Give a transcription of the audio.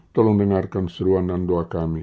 tolong dengarkan seruan dan doa kami